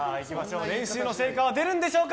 練習の成果は出るんでしょうか。